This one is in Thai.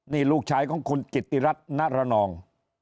นี่ลูกชายของคุณจิตติรัฐณรนอง